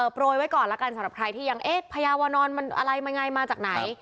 โปรยไว้ก่อนแล้วกันสำหรับใครที่ยังเอ๊ะพญาวานอนมันอะไรมาไงมาจากไหน